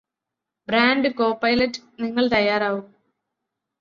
brand Copilot നിങ്ങള് തയ്യാറാവു